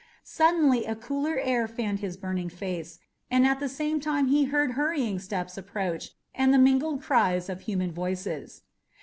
Suddenly a cooler air fanned his burning face, and at the same time he heard hurrying steps approach and the mingled cries of human voices.